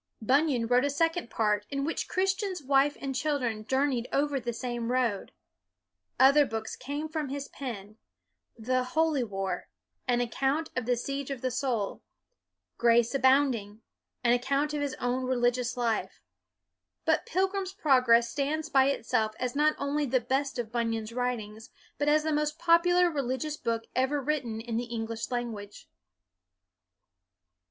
Bunyan wrote a second part, in which Christian's wife and children journeyed over the same road. Other books came from his pen; the " Holy War," an ac count of the siege of the soul; "Grace Abounding," an account of his own reli gious life. But " Pilgrim's Progress ' stands by itself as not only the best of Bunyan's writings, but as the most popular religious book ever written in the English language.